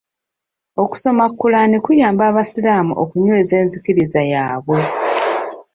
Okusoma Kulaani kuyamba abasiraamu okunyweeza enzikiriza yaabwe.